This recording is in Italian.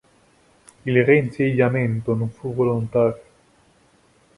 Il reinsediamento non fu volontario.